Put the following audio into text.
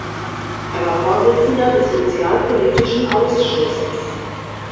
Er war Vorsitzender des sozialpolitischen Ausschusses.